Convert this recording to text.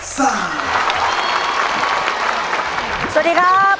สวัสดีครับ